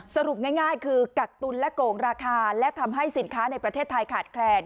สรุปง่ายคือกักตุลและโกงราคาและทำให้สินค้าในประเทศไทยขาดแคลน